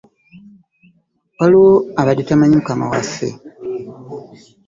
Waliwo abadde tamanyi mukama waffe?